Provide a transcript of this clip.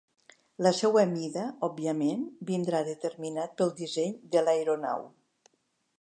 La seua mida, òbviament, vindrà determinat pel disseny de l'aeronau.